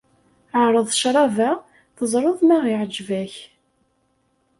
Ɛreḍ ccrab-a, teẓreḍ ma iɛǧeb-ak.